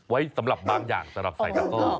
ไว้สำหรับบางอย่างใส่ตะก้อ